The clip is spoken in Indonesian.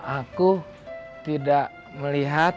aku tidak melihat